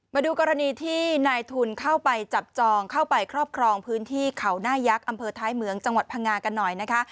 มาดูกรณีที่นายทุนเข้าไปจับจองเข้าไปครอบครองพื้นที่เขาหน้ายักษ์อำเภอท้ายเหมืองจังหวัดพังงากันหน่อยนะคะ